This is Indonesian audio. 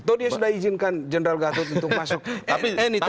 tau dia sudah izinkan general gatot untuk masuk anytime